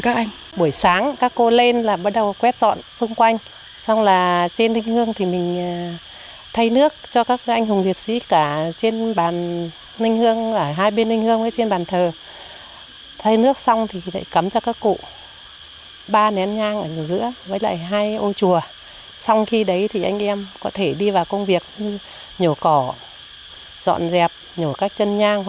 các anh hùng liệt sĩ để thắp hương và tỏ lòng thành kình đối với các anh